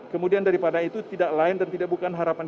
kemudian daripada itu tidak lain dan tidak bukan harapan